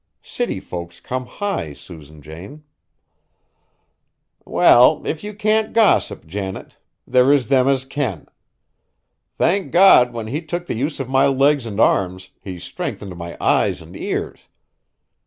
City folks come high, Susan Jane." "Well, if you can't gossip, Janet, there is them as can. Thank God! when He took the use of my legs an' arms, He strengthened my eyes an' ears.